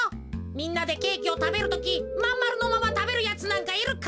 みんなでケーキをたべるときまんまるのままたべるやつなんかいるか？